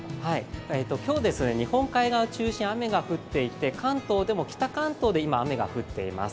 今日、日本海側を中心に雨が降っていて関東でも北関東で今雨が降っています。